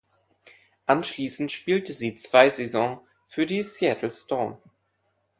Anschließend spielte sie zwei Saison für die Seattle Storm.